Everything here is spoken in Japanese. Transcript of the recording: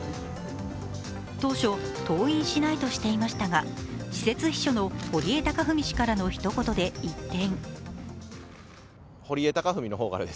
当初、登院しないとしていましたが私設秘書の堀江貴文氏からのひと言で一転。